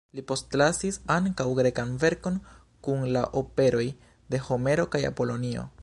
Li postlasis ankaŭ grekan verkon kun la operoj de Homero kaj Apolonio.